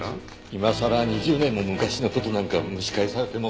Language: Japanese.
今さら２０年も昔の事なんか蒸し返されても。